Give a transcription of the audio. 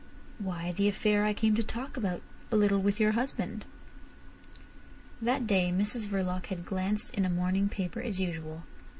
"Why, the affair I came to talk about a little with your husband." That day Mrs Verloc had glanced at a morning paper as usual.